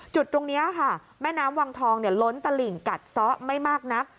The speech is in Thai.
จุดตรงนี้ค่ะแม่น้ำวังทองล้นตลิ่งกัดซ้อไม่มากนัก